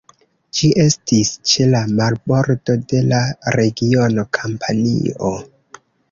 Ĝi estis ĉe la marbordo de la regiono Kampanio.